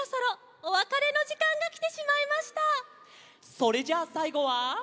それじゃあさいごは。